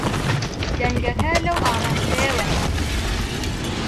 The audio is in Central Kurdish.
دەنگەکە لەو ئاراستەیەوە هات.